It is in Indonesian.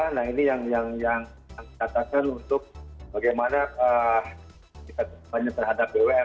nah ini yang kita catakan untuk bagaimana kita terhadap bwf